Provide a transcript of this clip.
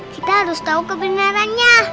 kita harus tahu kebenarannya